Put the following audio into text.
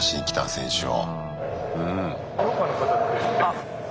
選手を。